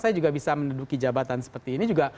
saya juga bisa menduduki jabatan seperti ini juga